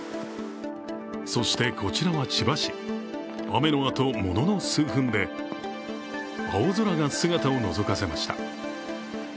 そして、こちらは千葉市雨のあと、ものの数分で青空が姿をのぞかせました。